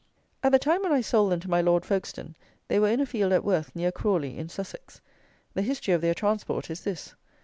At the time when I sold them to my Lord Folkestone, they were in a field at Worth, near Crawley, in Sussex. The history of their transport is this.